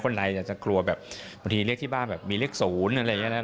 ใครอยากจะกลัวแบบบางทีเลขที่บ้านแบบมีเลข๐อะไรอย่างนี้นะ